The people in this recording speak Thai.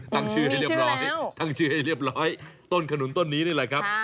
ตั้งชื่อให้เรียบร้อยต้นขนุนต้นนี้นี่แหละครับ